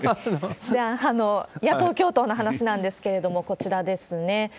じゃあ、野党共闘の話なんですけれども、こちらですね。